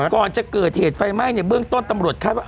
ก่อนจะเกิดเหตุไฟไหม้ในเบื้องต้นตำรวจคาดว่า